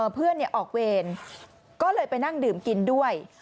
เพื่อนออกเวรก็เลยไปนั่งดื่มกินด้วย